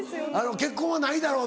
結婚はないだろう